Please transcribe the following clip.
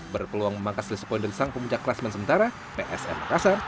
berpeluang memangkas lespoin dari sang pemuncak kelas main sementara psm makassar